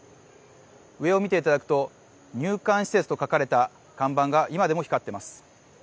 上を見ていただくと、入管施設と書かれた看板が今でも光っています。